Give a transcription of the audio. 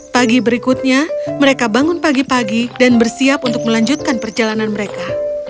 pagi berikutnya mereka bangun pagi pagi dan bersiap untuk melanjutkan perjalanan mereka